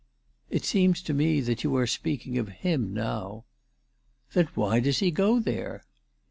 7 "It seems to me that you are speaking of him now." " Then why does he go there